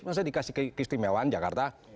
masa dikasih keistimewaan jakarta